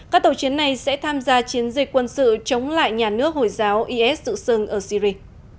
các tàu chiến này sẽ tham gia chiến dịch quân sự chống lại nhà nước hồi giáo is tự xưng ở syri